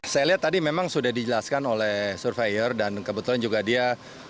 saya lihat tadi memang sudah dijelaskan oleh surveyor dan kebetulan juga dia